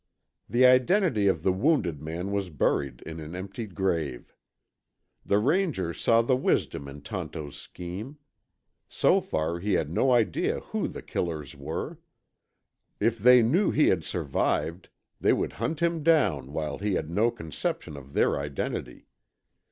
The identity of the wounded man was buried in an empty grave. The Ranger saw the wisdom in Tonto's scheme. So far he had no idea who the killers were. If they knew he had survived, they would hunt him down while he had no conception of their identity.